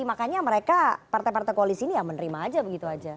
makanya mereka partai partai koalisi ini ya menerima aja begitu aja